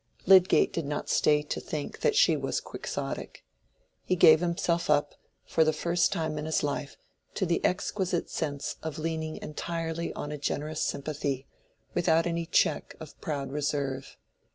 Lydgate did not stay to think that she was Quixotic: he gave himself up, for the first time in his life, to the exquisite sense of leaning entirely on a generous sympathy, without any check of proud reserve.